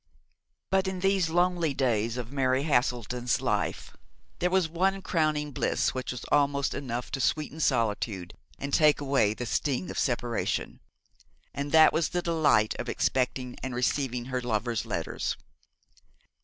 But in these lonely days of Mary Haselden's life there was one crowning bliss which was almost enough to sweeten solitude, and take away the sting of separation; and that was the delight of expecting and receiving her lover's letters.